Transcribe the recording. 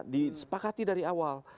disepakati dari awal